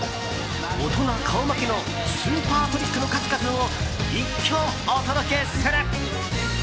大人顔負けのスーパートリックの数々を一挙お届けする。